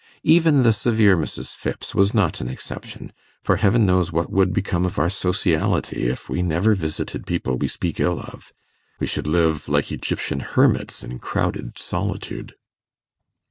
Even the severe Mrs. Phipps was not an exception; for heaven knows what would become of our sociality if we never visited people we speak ill of: we should live, like Egyptian hermits, in crowded solitude.